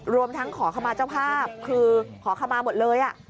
รวมทั้งขอขมาเจ้าภาพคือขอขมาหมดเลย